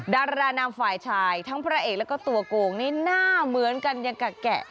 ดารานามฝ่ายชายทั้งพระเอกแล้วก็ตัวโกงนี่หน้าเหมือนกันยังกะแกะ